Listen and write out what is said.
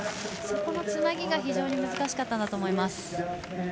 そこのつなぎが非常に難しかったんだと思います。